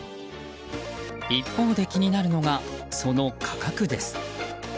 一方で気になるのがその価格です。